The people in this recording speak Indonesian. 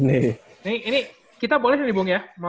ini kita boleh nih bung ya